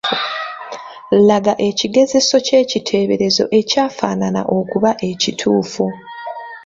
Laga ekigezeso ky’ekiteeberezo ekyafaanana okuba ekituufu.